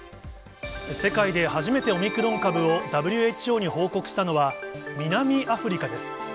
世界で初めてオミクロン株をＷＨＯに報告したのは、南アフリカです。